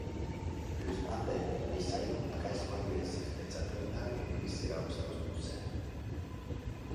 Pirms pandēmijas bija sajūta, ka esmu atgriezusies pēc atvaļinājuma un visi rausta uz pusēm.